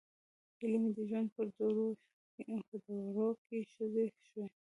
هیلې مې د ژوند په دوړو کې ښخې شوې.